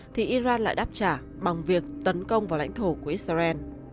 thì iran lại đáp trả bằng việc tấn công vào lãnh thổ của israel